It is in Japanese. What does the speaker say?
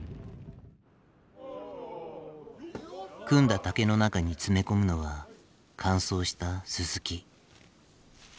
組んだ竹の中に詰め込むのは乾燥したススキ。